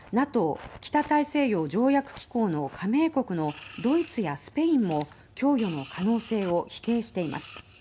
また、ＮＡＴＯ・北大西洋条約機構の加盟国のドイツやスペインも供与の可能性を否定しています。